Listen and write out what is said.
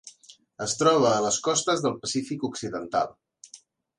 Es troba a les costes del Pacífic Occidental.